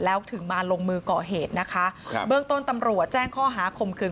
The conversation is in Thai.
แล้วถึงมาลงมือก่อเหตุนะคะครับเบื้องต้นตำรวจแจ้งข้อหาคมคืน